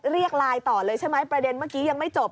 เรียกไลน์ต่อเลยใช่ไหมประเด็นเมื่อกี้ยังไม่จบ